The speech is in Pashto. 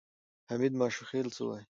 حمید ماشوخېل څه وایي؟